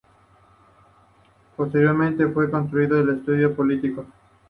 Posteriormente, fue construido el estadio olímpico.